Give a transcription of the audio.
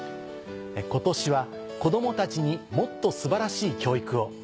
今年は「子供たちにもっと素晴らしい教育を」。